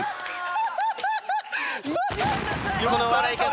ハハハハハ！